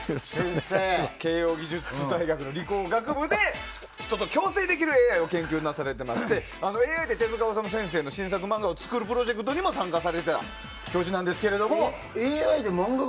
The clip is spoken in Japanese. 慶應義塾大学の理工学部で人と共生できるＡＩを研究されていましてＡＩで手塚治虫先生の新作漫画を作るプロジェクトにも参加されていた教授なんですけれども。